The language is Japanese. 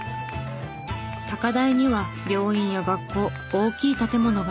高台には病院や学校大きい建物が多いなあ。